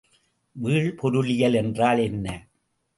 வீழ்பொருளியல் என்றால் என்ன?